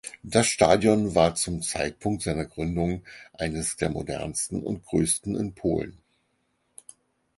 Das Stadion war zum Zeitpunkt seiner Gründung eines der modernsten und größten in Polen.